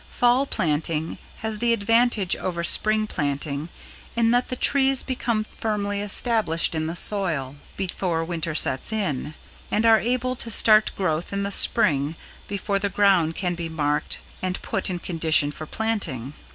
Fall planting has the advantage over Spring planting in that the trees become firmly established in the soil before Winter sets in, and are able to start growth in the Spring before the ground can be marked and put in condition for planting.